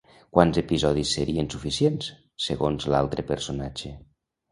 Quants episodis serien suficients, segons l'altre personatge?